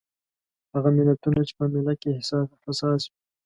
هغه ملتونه چې په معامله کې حساس وي.